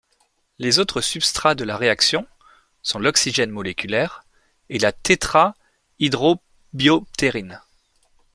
Les autres substrats de la réaction sont l'oxygène moléculaire et la tétrahydrobioptérine.